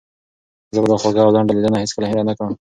زه به دا خوږه او لنډه لیدنه هیڅکله هېره نه کړم.